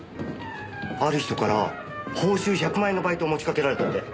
ある人から報酬１００万円のバイトを持ちかけられたって。